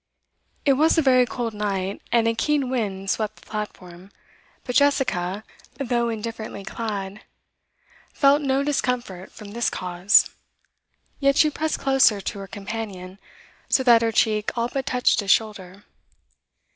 It was a very cold night, and a keen wind swept the platform; but Jessica, though indifferently clad, felt no discomfort from this cause. Yet she pressed closer to her companion, so that her cheek all but touched his shoulder.